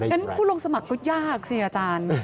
ก็คุณลงสมัครก็ยากสินี่อาจารย์